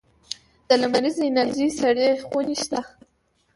د لمریزې انرژۍ سړې خونې شته؟